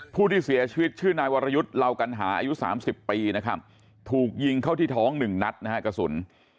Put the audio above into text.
ผู้ที่เสียชีวิตชื่อนายวรยุทธ์เหล่ากัณหาอายุ๓๐ปีนะครับถูกยิงเข้าที่ท้อง๑นัดนะฮะกระสุน